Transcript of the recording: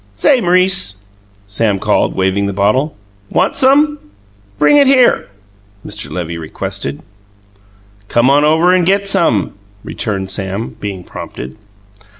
"Say, M'rice!" Sam called, waving the bottle. "Want some?" "Bring it here!" Mr. Levy requested. "Come on over and get some," returned Sam, being prompted.